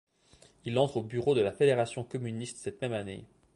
Il entre au bureau de la Fédération communiste cette même année.